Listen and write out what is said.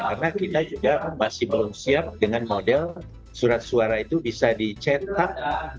karena kita juga masih belum siap dengan model surat suara itu bisa dicetak